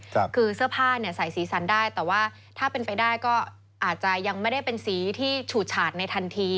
คือเสื้อผ้าเนี่ยใส่สีสันได้แต่ว่าถ้าเป็นไปได้ก็อาจจะยังไม่ได้เป็นสีที่ฉูดฉาดในทันที